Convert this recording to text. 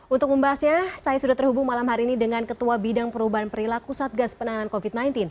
untuk membahasnya saya sudah terhubung malam hari ini dengan ketua bidang perubahan perilaku satgas penanganan covid sembilan belas